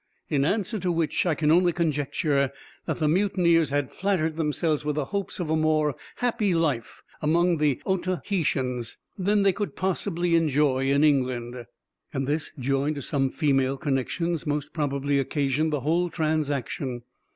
In answer to which, I can only conjecture that the mutineers had flattered themselves with the hopes of a more happy life among the Otaheitans than they could possibly enjoy in England; and this, joined to some female connections, most probably occasioned the whole transaction.